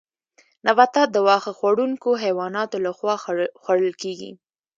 نباتات د واښه خوړونکو حیواناتو لخوا خوړل کیږي